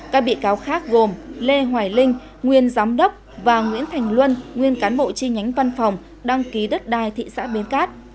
các bị cáo khác gồm lê hoài linh nguyên giám đốc và nguyễn thành luân nguyên cán bộ chi nhánh văn phòng đăng ký đất đai thị xã bến cát